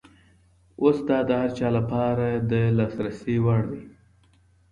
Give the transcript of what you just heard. اوس دا د هر چا لپاره د لاسرسي وړ دی.